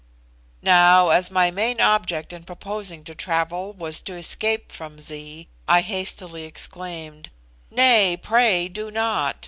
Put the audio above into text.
Now, as my main object in proposing to travel was to escape from Zee, I hastily exclaimed, "Nay, pray do not!